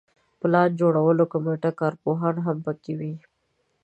پلان جوړولو کمیټه کارپوهان هم په کې وي.